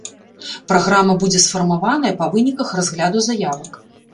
Праграма будзе сфармаваная па выніках разгляду заявак.